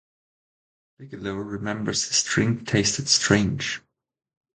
Bigelow remembers his drink tasted strange.